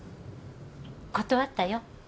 断ったよ。